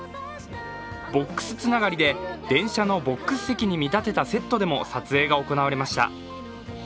ボックスつながりで電車のボックス席に見立てたセットでも撮影が行われました。